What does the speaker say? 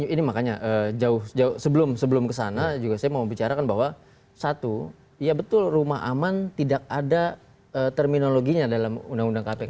ini makanya jauh sebelum kesana juga saya mau bicarakan bahwa satu ya betul rumah aman tidak ada terminologinya dalam undang undang kpk